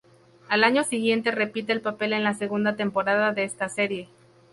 Al año siguiente repite el papel en la segunda temporada de esta serie.